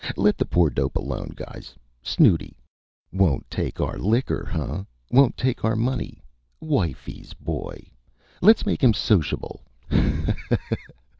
Let the poor dope alone, guys.... Snooty.... Won't take our likker, hunh? Won't take our money.... Wifey's boy! Let's make him sociable....